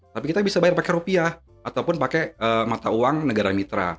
tapi kita bisa bayar pakai rupiah ataupun pakai mata uang negara mitra